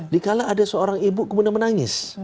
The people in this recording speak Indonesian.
di kalangan ada seorang ibu kemudian menangis